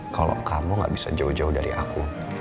kalau kamu gak bisa jauh jauh dari aku